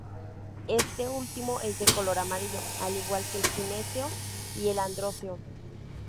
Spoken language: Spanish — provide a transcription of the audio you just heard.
Este último es de color amarillo, al igual que el gineceo y el androceo.